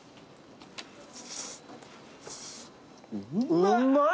うまい！